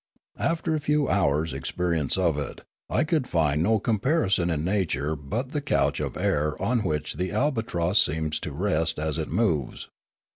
After a few hours* experience of it, I could find no comparison in nature but the couch of air on which the albatross seems to rest as it moves.